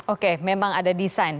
oke memang ada desain